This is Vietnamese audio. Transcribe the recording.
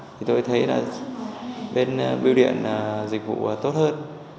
thì tôi thấy là bên biêu điện dịch vụ tốt hơn